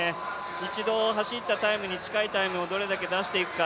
一度走ったタイムに近いタイムをどれだけ出していくか。